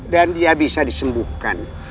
dan dia bisa disembuhkan